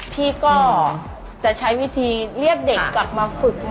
พี่ก็จะใช้วิธีเรียกเด็กกลับมาฝึก